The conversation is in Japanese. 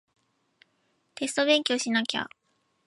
テスト勉強しなきゃ